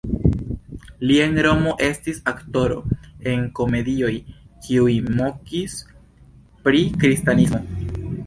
Li en Romo estis aktoro en komedioj kiuj mokis pri kristanismo.